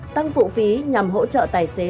tăng phụ phí nhằm hỗ trợ tài xế